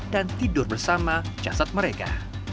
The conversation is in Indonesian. dan tidur bersama jasad mereka